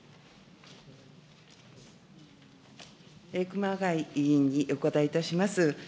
熊谷委員にお答えいたします。